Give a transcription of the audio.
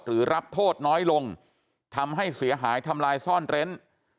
รับโทษน้อยลงทำให้เสียหายทำลายซ่อนเร้น